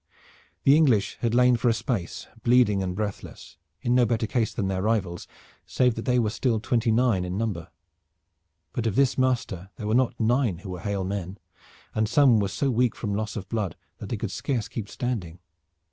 The English had lain for a space bleeding and breathless, in no better case than their rivals, save that they were still twenty nine in number. But of this muster there were not nine who were hale men, and some were so weak from loss of blood that they could scarce keep standing.